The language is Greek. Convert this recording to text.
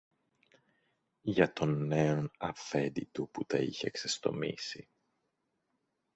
για τον νέον Αφέντη του που τα είχε ξεστομίσει.